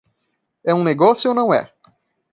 É um negócio ou não é?